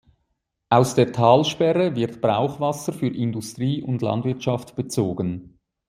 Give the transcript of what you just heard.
Aus der Talsperre wird Brauchwasser für Industrie und Landwirtschaft bezogen.